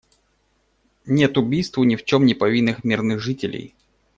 Нет убийству ни в чем не повинных мирных жителей.